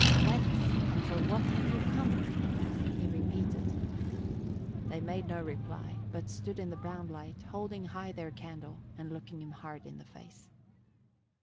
"Whence and for what have you come?" he repeated. They made no reply but stood in the brown light, holding high their candle and looking him hard in the face.